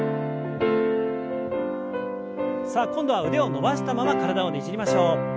さあ今度は腕を伸ばしたまま体をねじりましょう。